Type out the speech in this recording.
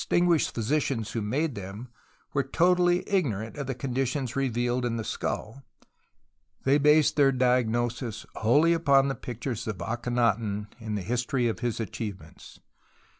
guished physicians who made them were totally ignorant of the conditions revealed in the skull, and based their diagnosis wholly upon the pictures of Aklienaton and the his 88 TUTANKHAMEN tory of his achievements.